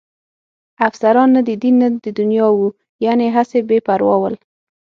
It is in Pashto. افسران نه د دین نه د دنیا وو، یعنې هسې بې پروا ول.